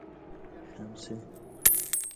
خمسه